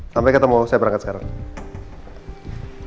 sampai ketemu saya berangkat sekarang